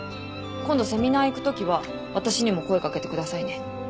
今度セミナー行くときは私にも声掛けてくださいね。